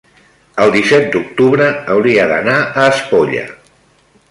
el disset d'octubre hauria d'anar a Espolla.